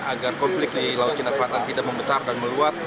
agar konflik di laut cina selatan tidak membesar dan meluas